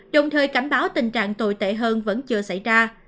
đồng thời cảnh báo tình trạng tồi tệ hơn vẫn chưa xảy ra